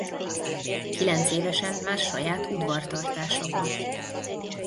Kilencévesen már saját udvartartása volt.